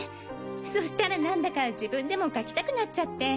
そしたらなんだか自分でも書きたくなっちゃって。